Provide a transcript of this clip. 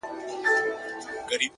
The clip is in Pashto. • له کتابه یې سر پورته کړ اسمان ته,